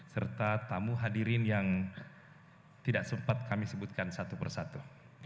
serta tamu hadirin yang tidak sempat kami sebutkan satu persatu